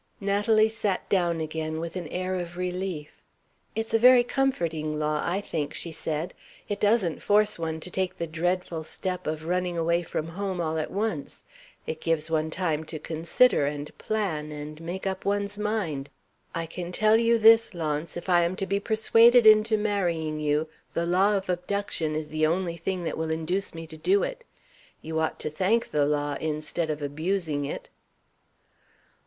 Natalie sat down again, with an air of relief. "It's a very comforting law, I think," she said. "It doesn't force one to take the dreadful step of running away from home all at once. It gives one time to consider, and plan, and make up one's mind. I can tell you this, Launce, if I am to be persuaded into marrying you, the law of Abduction is the only thing that will induce me to do it. You ought to thank the law, instead of abusing it."